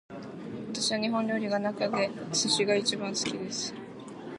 私は日本料理の中で寿司が一番好きです